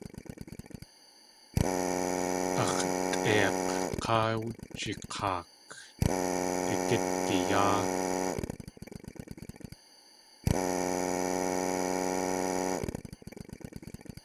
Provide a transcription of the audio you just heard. Ax̲ tlʼeik̲ káa wjik̲aak̲ digitgiyáa.